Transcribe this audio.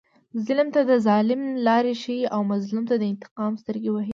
ظلم ته د ظلم لاره ښیي او مظلوم ته د انتقام سترګک وهي.